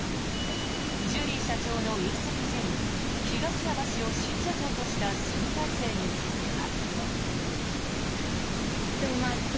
ジュリー社長の引責辞任東山氏を新社長とした新体制については。